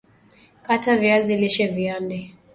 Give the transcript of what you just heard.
kata viazi lishe viande